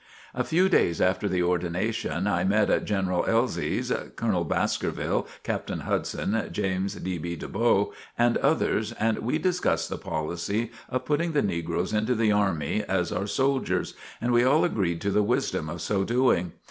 A few days after the ordination, I met at General Elzy's, Colonel Baskerville, Captain Hudson, James D. B. de Bow and others and we discussed the policy of putting the negroes into the army as our soldiers, and we all agreed to the wisdom of so doing.